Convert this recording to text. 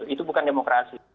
itu bukan demokrasi